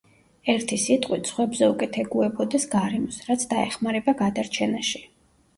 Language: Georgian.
ერთი სიტყვით, სხვებზე უკეთ ეგუებოდეს გარემოს, რაც დაეხმარება გადარჩენაში.